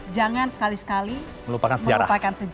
jangan sekali sekali melupakan sejarah